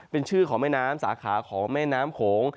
เป็นชื่อของแม่น้ำสาขาของแม่น้ำโขง